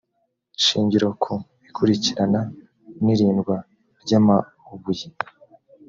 shingiro ku ikurikirana n irindwa ry amabuye